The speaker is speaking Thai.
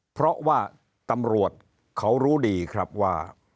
เพราะว่าตำรวจเขารู้ดีครับว่า